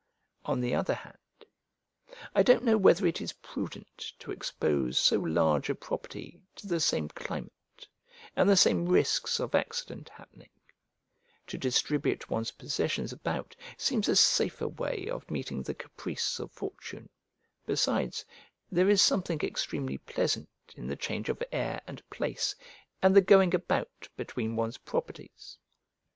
On the other hand, I don't know whether it is prudent to expose so large a property to the same climate, and the same risks of accident happening; to distribute one's possessions about seems a safer way of meeting the caprice of fortune, besides, there is something extremely pleasant in the change of air and place, and the going about between one's properties.